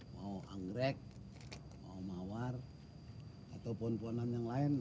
mau anggrek mau mawar atau pon ponan yang lain